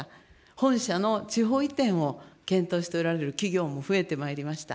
本社の地方移転を検討しておられる企業も増えてまいりました。